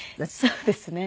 そうですね。